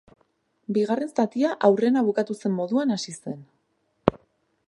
Bigarren zatia aurrena bukatu zen moduan hasi zen.